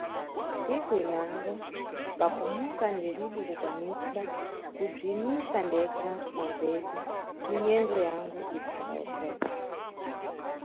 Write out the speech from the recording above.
Nntsiku inango, pa kumuka ndiribe kukwanisa kubziyimisa ndekha pa mbhedhe, minyendo yangu ikhadawofoka.